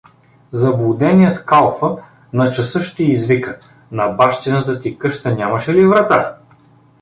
Заблуденият калфа на часа ще извика: „На бащината ти къща нямаше ли врата?